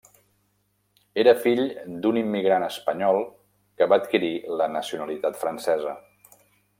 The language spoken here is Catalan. Era fill d'un immigrant espanyol que va adquirir la nacionalitat francesa.